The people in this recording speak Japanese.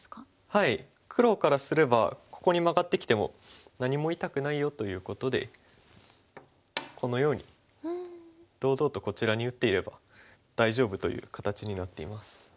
黒からすればここにマガってきても何も痛くないよということでこのように堂々とこちらに打っていれば大丈夫という形になっています。